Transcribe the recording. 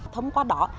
thống quá đỏ